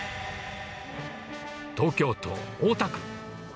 東京都大田区。